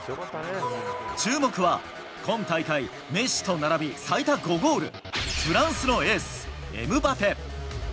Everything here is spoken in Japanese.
注目は今大会、メッシと並び、最多５ゴール、フランスのエース、エムバペ。